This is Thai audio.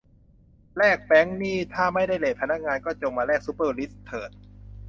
แลกแบงค์นี่ถ้าไม่ได้เรทพนักงาน ก็จงมาแลกซุปเปอร์ริชเถิด